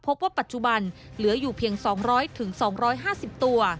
พบว่าปัจจุบันเหลืออยู่เพียงสองร้อยถึงสองร้อยห้าสิบตัว